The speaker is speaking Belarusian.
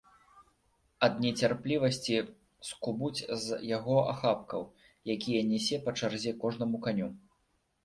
Ад нецярплівасці скубуць з яго ахапкаў, якія нясе па чарзе кожнаму каню.